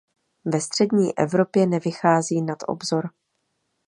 Ve střední Evropě nevychází nad obzor.